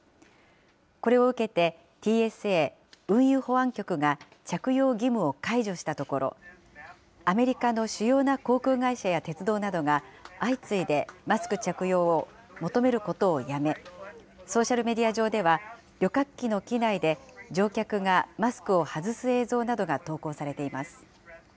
これを受けてＴＳＡ・運輸保安局が着用義務を解除したところ、アメリカの主要な航空会社や鉄道などが、相次いでマスク着用を求めることをやめ、ソーシャルメディア上では、旅客機の機内で乗客がマスクを外す映像などが投稿されています。